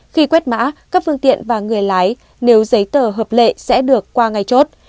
khi quét mã các phương tiện và người lái nếu giấy tờ hợp lệ sẽ được qua ngay chốt